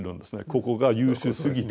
ここが優秀すぎて。